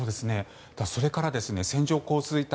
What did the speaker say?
それから線状降水帯